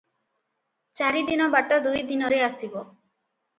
ଚାରିଦିନ ବାଟ ଦୁଇ ଦିନରେ ଆସିବ ।